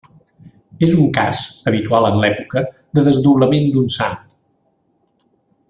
És un cas, habitual en l'època, de desdoblament d'un sant.